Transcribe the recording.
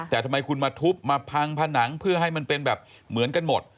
แต่ทำไมคุณมาทุบมาพังผนังเพื่อให้มันเป็นแบบเหมือนกันหมด